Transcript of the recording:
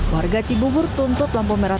warga cibubur tuntut lampu merah